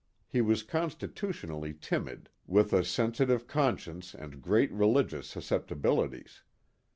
He was constitutionally timid, with a sensitive conscience and great religious susceptibilities.